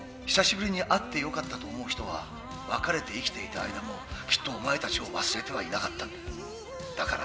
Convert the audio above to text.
久しぶりに会ってよかったと思う人は別れて生きていた間もきっとお前たちを忘れてはいなかったんだ。